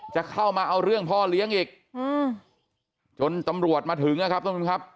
จะเข้ามาเอาเรื่องพ่อเลี้ยงอีกจนตำรวจมาถึงนะครับ